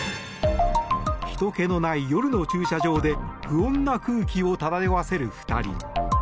ひとけのない夜の駐車場で不穏な空気を漂わせる２人。